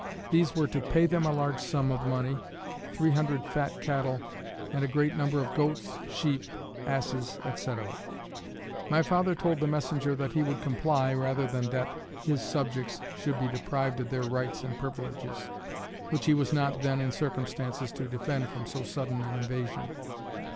These were to pay them a large sum of money, three hundred fat cattle, and a great number of goats, sheep, asses, &c. My father told the messenger that he would comply rather than that his subjects should be deprived of their rights and privileges, which he was not then in circumstances to defend from so sudden an invasion.